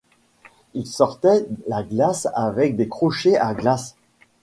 Ils sortaient la glace avec des crochets à glace.